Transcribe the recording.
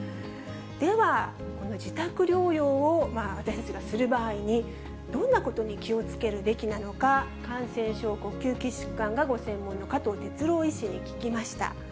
では、この自宅療養を私たちがする場合に、どんなことに気をつけるべきなのか、感染症・呼吸器疾患がご専門の加藤哲朗医師に聞きました。